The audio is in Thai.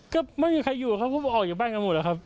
ก็ไม่มีใครอยู่ครับเพราะออกจากบ้านกันหมดแล้วครับ